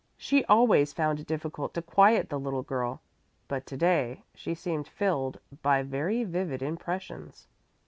She always found it difficult to quiet the little girl, but to day she seemed filled by very vivid impressions.